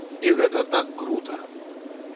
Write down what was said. І гэта так крута!